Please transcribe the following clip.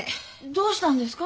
どうしたんですか？